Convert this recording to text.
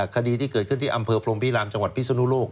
คดีที่เกิดขึ้นที่อำเภอพรมพิรามจังหวัดพิศนุโลก